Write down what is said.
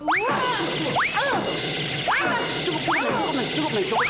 cukup cukup cukup